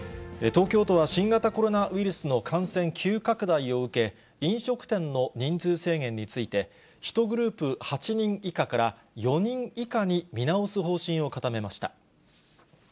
東京都は新型コロナウイルスの感染急拡大を受け、飲食店の人数制限について、１グループ８人以下から４人以下に見直す方針を固めました。